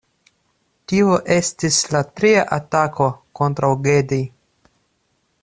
Tio estis la tria atako kontraŭ Gedi.